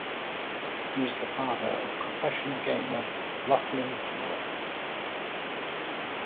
He is the father of professional gamer Lachlan Power.